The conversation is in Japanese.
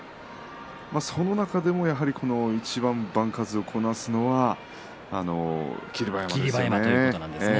その中でも、やはりいちばん番数をこなすのは霧馬山ですね。